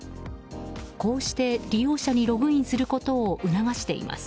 こうして利用者にログインすることを促しています。